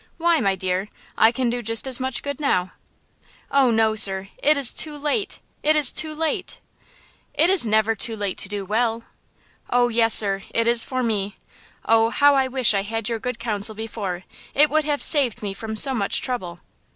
"Why, my dear?" I can do just as much good now." "Oh, no, sir; it is too late; it is too late!" "It is never to late to do well." "Oh, yes, sir; it is for me! Oh, how I wish I had had your good counsel before; it would have saved me from so much trouble."